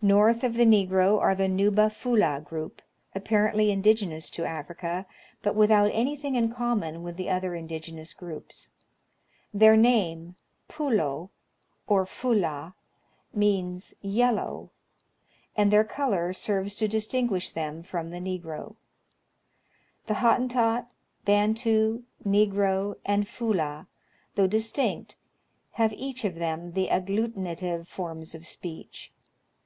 North of the Negro are the Nuba Fulah group, apparently in digenous to Africa, but without any thing in common with the other indigenous groups. Their name, " Pullo," or " Fulah,"' means " yellow," and their color serves to distinguish them from the Negro. The Hottentot, Bantu, Negro, and Fulah, though distinct, have each of them the agglutinative forms of speech.